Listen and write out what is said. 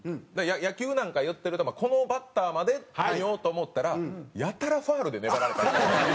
野球なんかやってるとこのバッターまで見ようと思ったらやたらファウルで粘られたり。